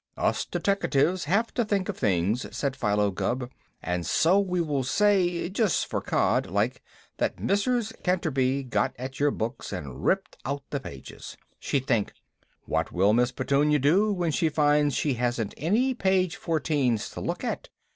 "Us deteckatives have to think of things," said Philo Gubb. "And so we will say, just for cod, like, that Mrs. Canterby got at your books and ripped out the pages. She'd think: 'What will Miss Petunia do when she finds she hasn't any page fourteens to look at?